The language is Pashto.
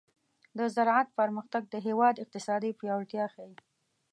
د زراعت پرمختګ د هېواد اقتصادي پیاوړتیا ښيي.